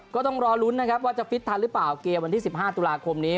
ก็ต้องรอลุ้นนะครับว่าจะฟิตทันหรือเปล่าเกมวันที่๑๕ตุลาคมนี้